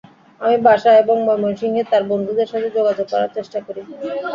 আমি বাসায় এবং ময়মনসিংহে তার বন্ধুদের সাথে যোগাযোগ করার চেষ্টা করি।